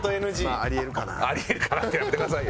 「あり得るかな」ってやめてくださいよ。